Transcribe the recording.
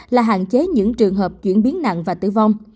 là hạn chế những trường hợp chuyển biến nặng và tử vong